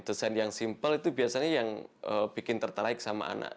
desain yang simpel itu biasanya yang bikin tertarik sama anak